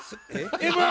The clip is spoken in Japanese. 「Ｍ−１」！